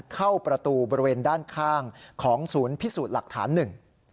เข้าประตูบริเวณด้านข้างของศูนย์พิสูจน์หลักฐานหนึ่ง